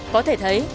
có thể thấy